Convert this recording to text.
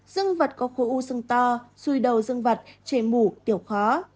dương vật có khối u sưng to xui đầu dương vật chề mủ tiểu khó